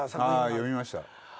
あ読みました。